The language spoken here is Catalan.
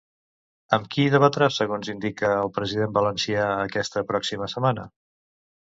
Amb qui debatrà, segons indica, el president valencià aquesta pròxima setmana?